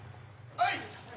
はい。